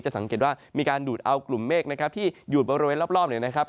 สังเกตว่ามีการดูดเอากลุ่มเมฆนะครับที่อยู่บริเวณรอบเนี่ยนะครับ